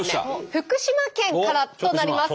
福島県からとなります。